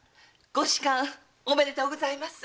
御仕官おめでとうございます。